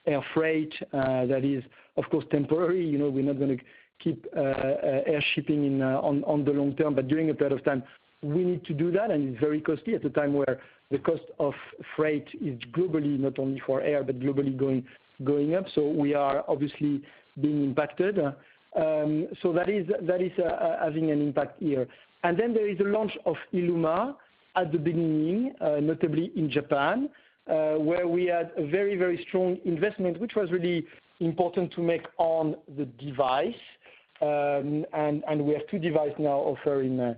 air freight that is, of course, temporary. You know, we're not gonna keep air shipping on the long term. During a period of time, we need to do that, and it's very costly at a time where the cost of freight is globally, not only for air, but globally going up. We are obviously being impacted. That is having an impact here. There is a launch of ILUMA at the beginning, notably in Japan, where we had a very strong investment, which was really important to make on the device. We have two devices now offering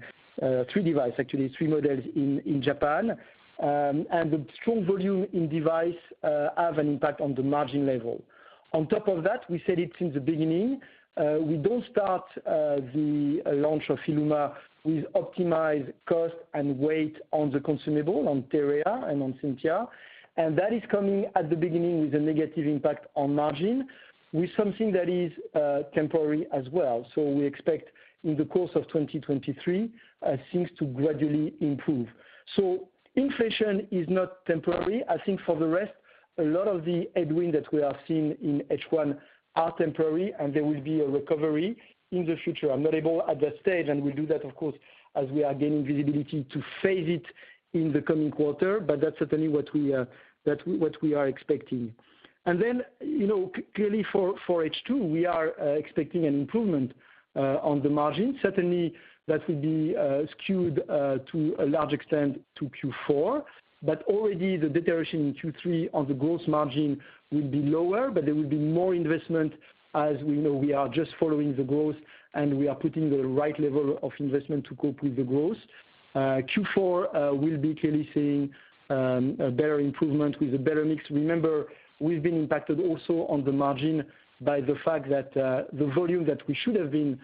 three devices actually, three models in Japan. The strong volume in devices have an impact on the margin level. On top of that, we said it since the beginning, we don't start the launch of ILUMA with optimized cost and weight on the consumable, on TEREA and on SENTIA. That is coming at the beginning with a negative impact on margin, with something that is temporary as well. We expect in the course of 2023 things to gradually improve. Inflation is not temporary. I think for the rest, a lot of the headwind that we are seeing in H1 are temporary, and there will be a recovery in the future. I'm not able at that stage, and we'll do that, of course, as we are gaining visibility to phase it in the coming quarter, but that's certainly what we are expecting. You know, clearly for H2, we are expecting an improvement on the margin. Certainly that will be skewed to a large extent to Q4. Already the deterioration in Q3 on the gross margin will be lower, but there will be more investment as we know we are just following the growth, and we are putting the right level of investment to cope with the growth. Q4 will be clearly seeing a better improvement with a better mix. Remember, we've been impacted also on the margin by the fact that the volume that we should have been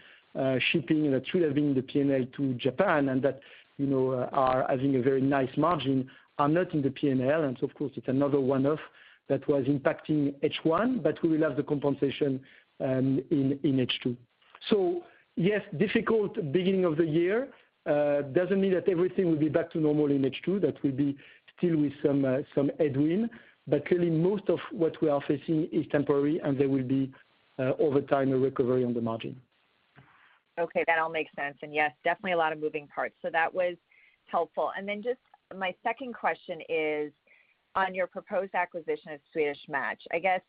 shipping, that should have been the P&L to Japan and that, you know, are having a very nice margin, are not in the P&L. Of course, it's another one-off that was impacting H1, but we will have the compensation in H2. Yes, difficult beginning of the year doesn't mean that everything will be back to normal in H2. That will be still with some headwind. Clearly, most of what we are facing is temporary, and there will be over time a recovery on the margin. Okay. That all makes sense. Yes, definitely a lot of moving parts. That was helpful. Then just my second question is on your proposed acquisition of Swedish Match. I guess,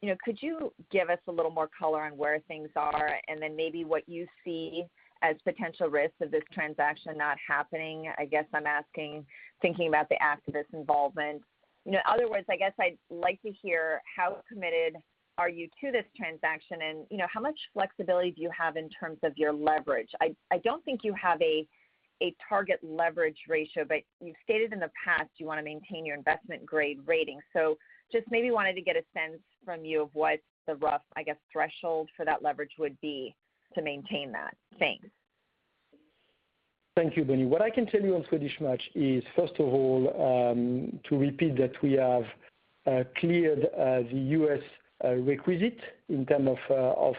you know, could you give us a little more color on where things are, and then maybe what you see as potential risks of this transaction not happening? I guess I'm asking, thinking about the activist involvement. You know, other words, I guess I'd like to hear how committed are you to this transaction and, you know, how much flexibility do you have in terms of your leverage? I don't think you have a target leverage ratio, but you've stated in the past you wanna maintain your investment grade rating. Just maybe wanted to get a sense from you of what the rough, I guess, threshold for that leverage would be to maintain that. Thanks. Thank you, Bonnie. What I can tell you on Swedish Match is, first of all, to repeat that we have cleared the U.S. requisites in terms of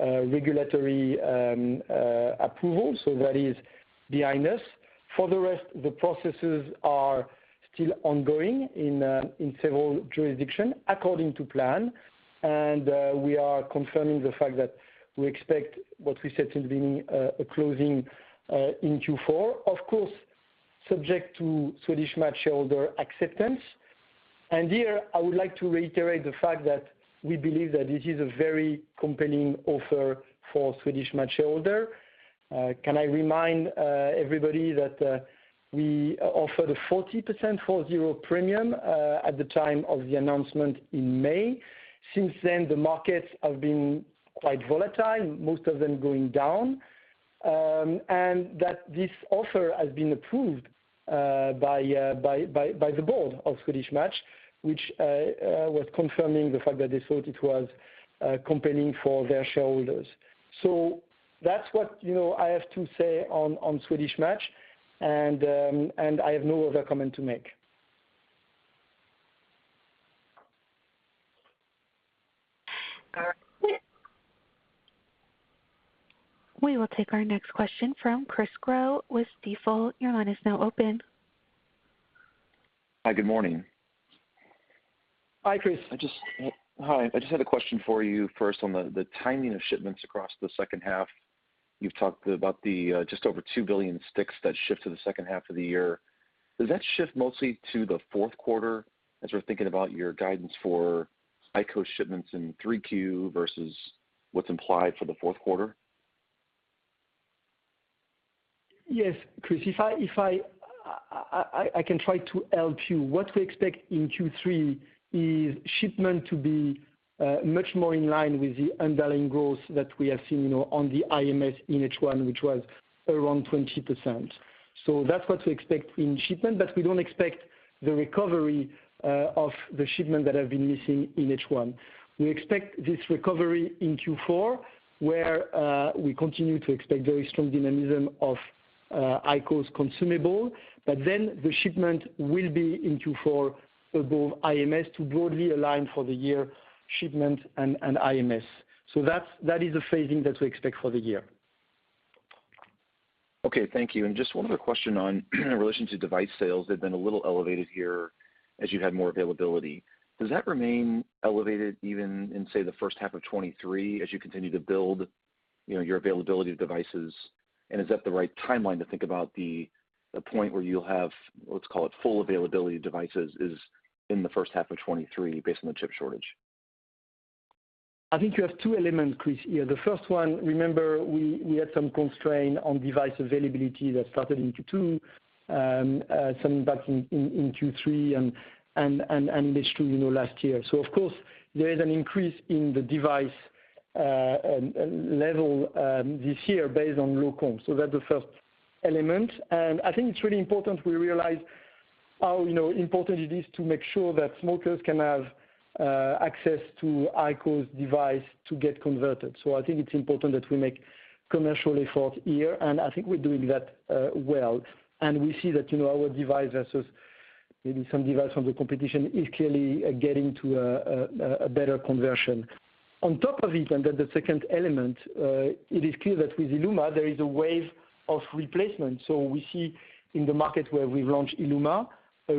regulatory approval. That is behind us. For the rest, the processes are still ongoing in several jurisdictions according to plan. We are confirming the fact that we expect what we said since the beginning, a closing in Q4. Of course, subject to Swedish Match shareholder acceptance. Here I would like to reiterate the fact that we believe that this is a very compelling offer for Swedish Match shareholders. Can I remind everybody that we offered a 40% premium at the time of the announcement in May? Since then, the markets have been quite volatile, most of them going down. that this offer has been approved by the board of Swedish Match, which was confirming the fact that they thought it was compelling for their shareholders. That's what, you know, I have to say on Swedish Match, and I have no other comment to make. All right. We will take our next question from Chris Crowl with Stifel. Your line is now open. Hi, good morning. Hi, Chris. Hi. I just had a question for you first on the timing of shipments across the second half. You've talked about just over two billion sticks that ship to the second half of the year. Does that shift mostly to the fourth quarter as we're thinking about your guidance for IQOS shipments in 3Q versus what's implied for the fourth quarter? Yes, Chris. If I can try to help you. What we expect in Q3 is shipment to be much more in line with the underlying growth that we have seen, you know, on the IMS in H1, which was around 20%. That's what we expect in shipment, but we don't expect the recovery of the shipment that have been missing in H1. We expect this recovery in Q4, where we continue to expect very strong dynamism of IQOS consumable. The shipment will be in Q4 above IMS to broadly align for the year shipment and IMS. That is a phasing that we expect for the year. Okay. Thank you. Just one other question on, in relation to device sales. They've been a little elevated here as you had more availability. Does that remain elevated even in, say, the first half of 2023 as you continue to build, you know, your availability of devices? Is that the right timeline to think about the point where you'll have, let's call it full availability of devices is in the first half of 2023 based on the chip shortage? I think you have two elements, Chris, here. The first one, remember we had some constraint on device availability that started in Q2, some back in Q3 and H2, you know, last year. Of course, there is an increase in the device level this year based on low comp. That's the first element. I think it's really important we realize how, you know, important it is to make sure that smokers can have access to IQOS device to get converted. I think it's important that we make commercial effort here, and I think we're doing that well. We see that, you know, our device versus maybe some device from the competition is clearly getting to a better conversion. On top of it, then the second element, it is clear that with ILUMA, there is a wave of replacement. We see in the market where we launch ILUMA, a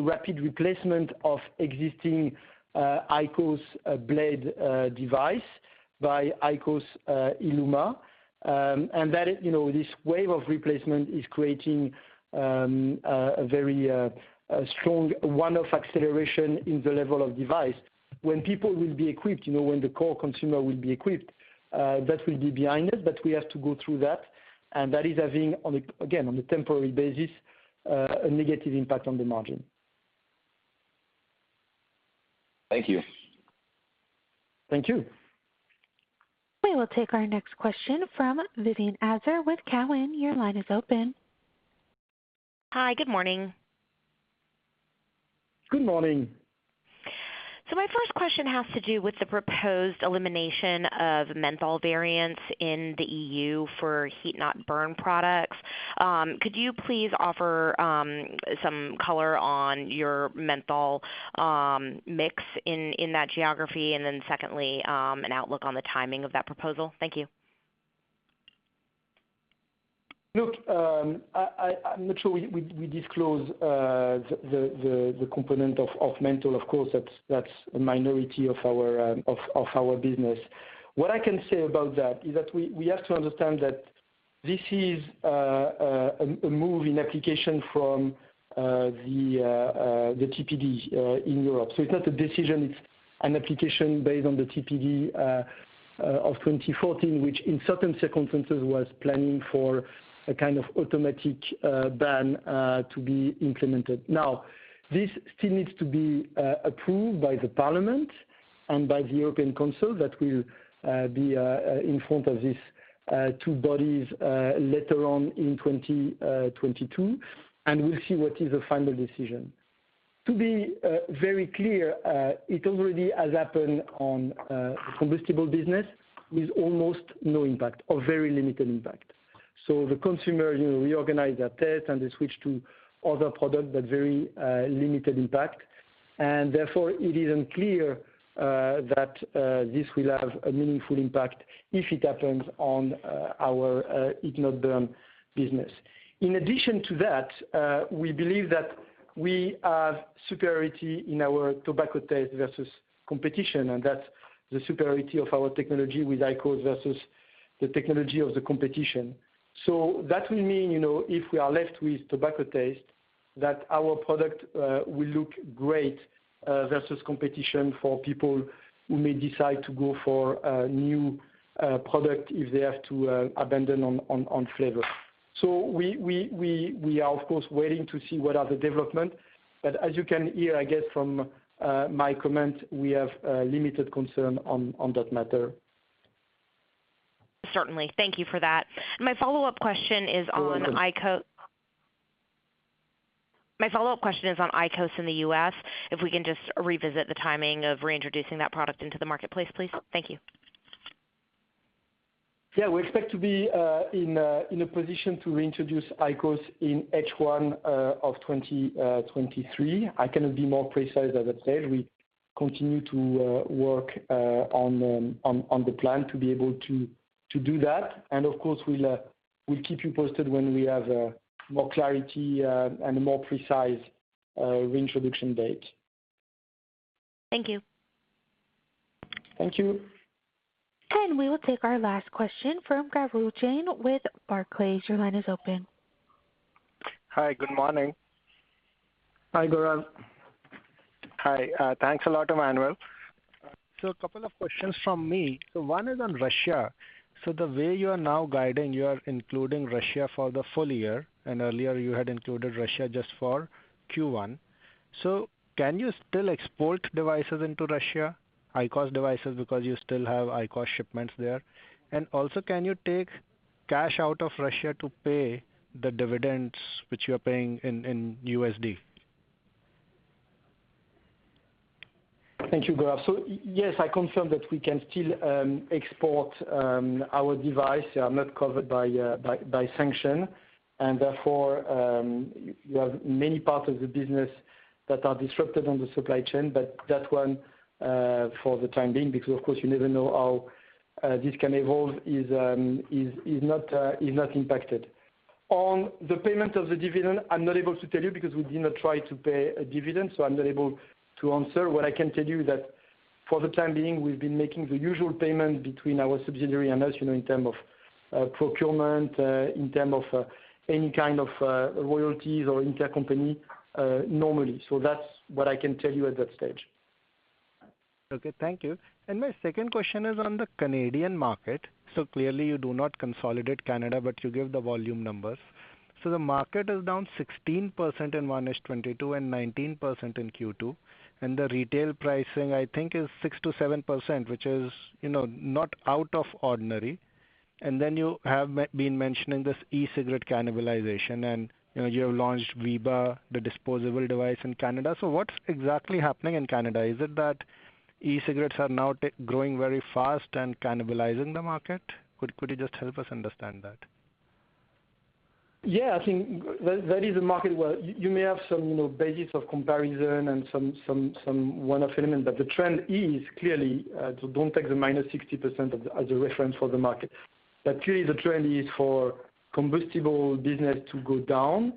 rapid replacement of existing IQOS blade device by IQOS ILUMA. That is, you know, this wave of replacement is creating a very strong one-off acceleration in the level of device. When people will be equipped, you know, when the core consumer will be equipped, that will be behind us. We have to go through that. That is having, again, on a temporary basis, a negative impact on the margin. Thank you. Thank you. We will take our next question from Vivian Azer with Cowen. Your line is open. Hi. Good morning. Good morning. My first question has to do with the proposed elimination of menthol variants in the EU for heat-not-burn products. Could you please offer some color on your menthol mix in that geography? Secondly, an outlook on the timing of that proposal. Thank you. Look, I'm not sure we disclose the component of menthol. Of course, that's a minority of our business. What I can say about that is that we have to understand that this is an application of the TPD in Europe. It's not a decision, it's an application based on the TPD of 2014, which in certain circumstances was planning for a kind of automatic ban to be implemented. Now, this still needs to be approved by the European Parliament and by the European Council that will be in front of these two bodies later on in 2022. We'll see what is the final decision. To be very clear, it already has happened on combustible business with almost no impact or very limited impact. The consumer, you know, recognized that taste and they switched to other product but very limited impact. Therefore, it isn't clear that this will have a meaningful impact if it happens on our heat-not-burn business. In addition to that, we believe that we have superiority in our tobacco taste versus competition, and that's the superiority of our technology with IQOS versus the technology of the competition. That will mean, you know, if we are left with tobacco taste, that our product will look great versus competition for people who may decide to go for a new product if they have to abandoning flavor. We are, of course, waiting to see what are the development. As you can hear, I guess, from my comment, we have limited concern on that matter. Certainly. Thank you for that. My follow-up question is on IQOS. Go ahead. My follow-up question is on IQOS in the U.S. If we can just revisit the timing of reintroducing that product into the marketplace, please. Thank you. Yeah. We expect to be in a position to reintroduce IQOS in H1 of 2023. I cannot be more precise. As I said, we continue to work on the plan to be able to do that. Of course, we'll keep you posted when we have more clarity and a more precise reintroduction date. Thank you. Thank you. We will take our last question from Gaurav Jain with Barclays. Your line is open. Hi. Good morning. Hi, Gaurav. Hi. Thanks a lot, Emmanuel. A couple of questions from me. One is on Russia. The way you are now guiding, you are including Russia for the full year, and earlier you had included Russia just for Q1. Can you still export devices into Russia, IQOS devices, because you still have IQOS shipments there? And also, can you take cash out of Russia to pay the dividends which you are paying in USD? Thank you, Gaurav. Yes, I confirm that we can still export our device. They are not covered by sanction. Therefore, you have many parts of the business that are disrupted on the supply chain. That one, for the time being, because of course, you never know how this can evolve, is not impacted. On the payment of the dividend, I'm not able to tell you because we did not try to pay a dividend, so I'm not able to answer. What I can tell you is that for the time being, we've been making the usual payment between our subsidiary and us, you know, in terms of procurement, in terms of any kind of royalties or intercompany normally. That's what I can tell you at that stage. Okay. Thank you. My second question is on the Canadian market. Clearly, you do not consolidate Canada, but you give the volume numbers. The market is down 16% in Q1 2022 and 19% in Q2, and the retail pricing, I think, is 6%-7%, which is, you know, not out of ordinary. Then you have you've been mentioning this e-cigarette cannibalization and, you know, you have launched VEEBA, the disposable device in Canada. What's exactly happening in Canada? Is it that e-cigarettes are now growing very fast and cannibalizing the market? Could you just help us understand that? Yeah, I think that is a market where you may have some, you know, basis of comparison and some one-off element, but the trend is clearly. Don't take the minus 60% as a reference for the market. Clearly the trend is for combustible business to go down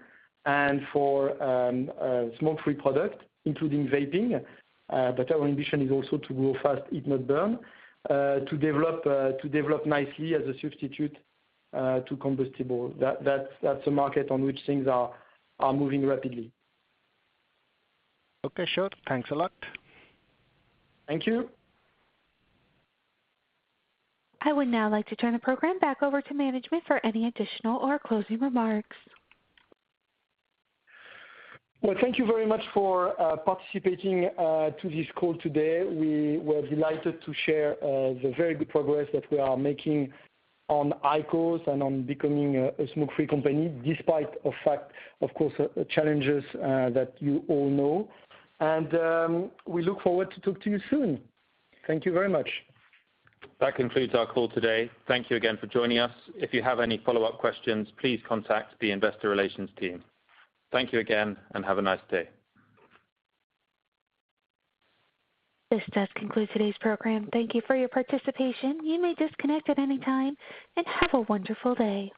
and for smoke-free product, including vaping, but our ambition is also to grow fast heat-not-burn to develop nicely as a substitute to combustible. That's a market on which things are moving rapidly. Okay, sure. Thanks a lot. Thank you. I would now like to turn the program back over to management for any additional or closing remarks. Well, thank you very much for participating to this call today. We were delighted to share the very good progress that we are making on IQOS and on becoming a smoke-free company despite the fact, of course, challenges that you all know. We look forward to talk to you soon. Thank you very much. That concludes our call today. Thank you again for joining us. If you have any follow-up questions, please contact the investor relations team. Thank you again, and have a nice day. This does conclude today's program. Thank you for your participation. You may disconnect at any time, and have a wonderful day.